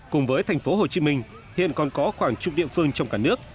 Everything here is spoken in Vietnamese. cùng với thành phố hồ chí minh hiện còn có khoảng chục địa phương trong cả nước